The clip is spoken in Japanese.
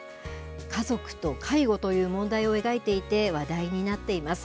家族と介護という問題を描いていて話題になっています。